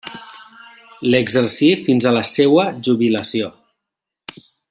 L'exercí fins a la seua jubilació.